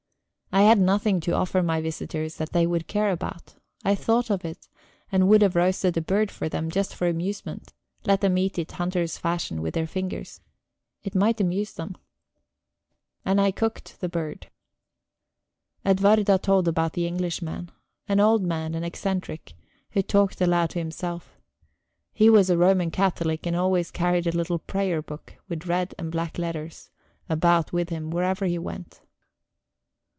I had nothing to offer my visitors that they would care about; I thought of it, and would have roasted a bird for them, just for amusement let them eat it hunter's fashion, with their fingers. It might amuse them. And I cooked the bird. Edwarda told about the Englishman. An old man, an eccentric, who talked aloud to himself. He was a Roman Catholic, and always carried a little prayer book, with red and black letters, about with him wherever he went.